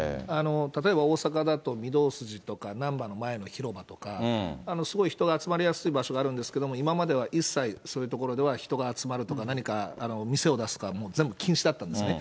例えば大阪だと御堂筋とか難波の前の広場とか、すごい人が集まりやすい場所があるんですが、今までは一切、そういう所では人が集まるとか、何か店を出すとかは、もう全部禁止だったんですね。